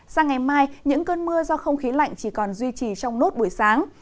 sang ngày mai những cơn mưa do không khí lạnh chỉ còn duy trì trong nốt buổi sáng